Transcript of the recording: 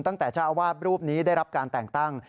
ตั้งแต่เจ้าอาวาสรูปนี้ได้รับการแต่งตั้ง